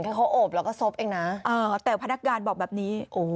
แค่เขาโอบแล้วก็ซบเองนะแต่พนักงานบอกแบบนี้